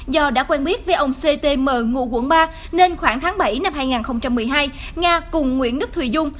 do đã quen biết với ông ctm ngụ quận ba nên khoảng tháng bảy năm hai nghìn một mươi hai nga cùng nguyễn đức thùy dung